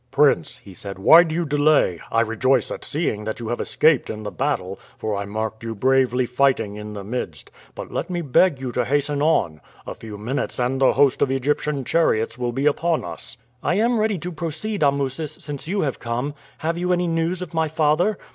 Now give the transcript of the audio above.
"Prince," he said, "why do you delay? I rejoice at seeing that you have escaped in the battle, for I marked you bravely fighting in the midst; but let me beg you to hasten on. A few minutes and the host of Egyptian chariots will be upon us." "I am ready to proceed, Amusis, since you have come. Have you any news of my father?"